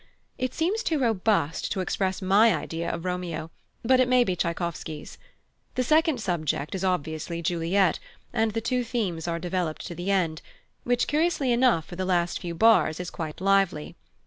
It seems too robust to express my idea of Romeo, but it may be Tschaikowsky's. The second subject is obviously Juliet, and the two themes are developed to the end, which, curiously enough, for the last few bars is quite lively.